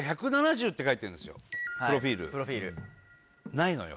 ないのよ